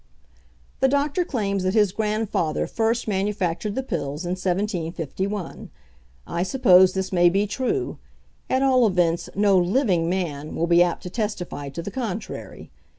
The doctor claims that his grandfather first manufactured the pills in 1751. I suppose this may be true; at all events, no living man will be apt to testify to the contrary.